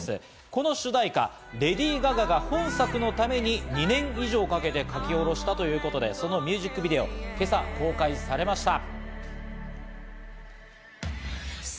この主題歌、レディー・ガガが本作のために２年以上かけて書き下ろしたということでそのミュージックビデオが今朝公開されました。